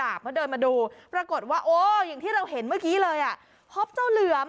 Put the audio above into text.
เพราะเดินมาดูปรากฏว่าโอ้อย่างที่เราเห็นเมื่อกี้เลยอ่ะพบเจ้าเหลือม